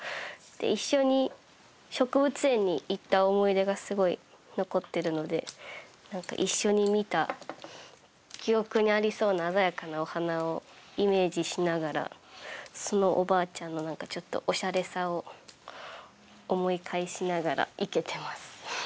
で一緒に植物園に行った思い出がすごい残ってるので何か一緒に見た記憶にありそうな鮮やかなお花をイメージしながらそのおばあちゃんの何かちょっとオシャレさを思い返しながら生けてます。